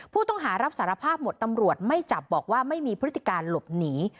ผู้ต้องหารับสารภาพหมดตำรวจไม่จับบอกว่าไม่มีพฤติการหลบหนี